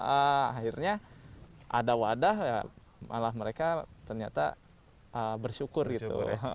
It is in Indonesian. akhirnya ada wadah ya malah mereka ternyata bersyukur gitu ya